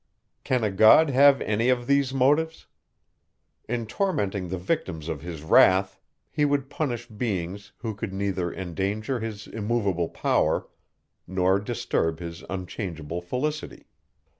Can a God have any of these motives? In tormenting the victims of his wrath, he would punish beings, who could neither endanger his immoveable power, nor disturb his unchangeable felicity.